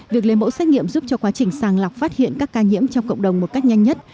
việc lấy mẫu xét nghiệm giúp cho quá trình sàng lọc phát hiện các ca nhiễm trong cộng đồng một cách nhanh nhất